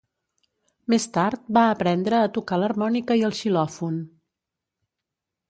Més tard, va aprendre a tocar l'harmònica i el xilòfon.